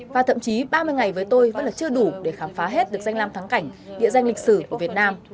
và thậm chí ba mươi ngày với tôi vẫn là chưa đủ để khám phá hết được danh lam thắng cảnh địa danh lịch sử của việt nam